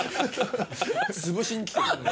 潰しにきてる。